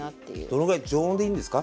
どのぐらい常温でいいんですか？